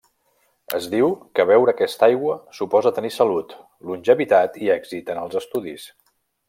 Es diu que beure aquesta aigua suposa tenir salut, longevitat i èxit en els estudis.